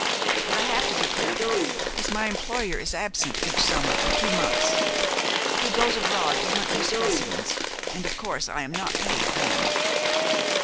But I have to be careful, as my employer is absent each summer for two months. He goes abroad to hunt new specimens, and of course I am not paid then."